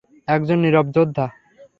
একজন নীরব যোদ্ধা।